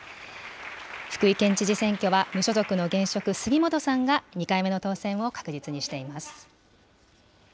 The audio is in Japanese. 福井県知事選挙は無所属の現職、杉本さんが２回目の当選を確実にしています。